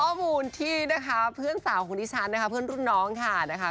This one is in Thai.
ข้อมูลที่นะคะเพื่อนสาวของดิฉันนะคะเพื่อนรุ่นน้องค่ะนะคะ